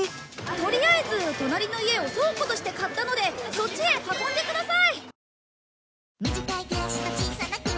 とりあえず隣の家を倉庫として買ったのでそっちへ運んでください！